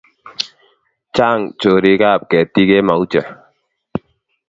Chang chorik ab ketik en mauche